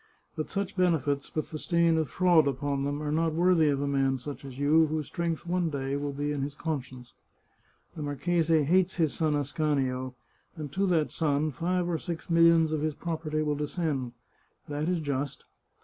But such benefits, with the stain of fraud upon them, are not worthy of a man such as you, whose strength one day will be in his conscience. The marchese hates his son Ascanio, and to that son the five or six millions of his property will descend. That is just.